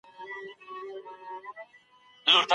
ښوره زاره مځکه نه کوي ګلونه